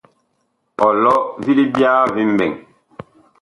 Ɔlɔ vi libyaa vi mɓɛɛŋ.